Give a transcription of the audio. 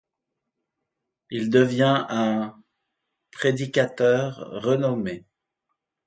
Il devient un prédicateur renommé.